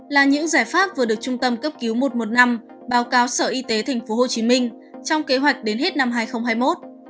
là những giải pháp vừa được trung tâm cấp cứu một trăm một mươi năm báo cáo sở y tế tp hcm trong kế hoạch đến hết năm hai nghìn hai mươi một